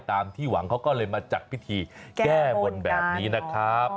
ที่หวังเขาก็เลยมาจัดพิธีแก้บนแบบนี้นะครับ